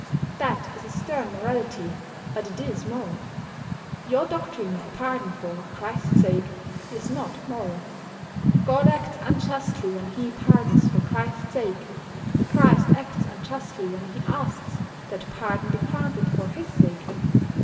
That is a stern morality, but it is moral. Your doctrine of pardon "for Christ's sake" is not moral. God acts unjustly when He pardons for Christ's sake. Christ acts unjustly when He asks that pardon be granted for his sake.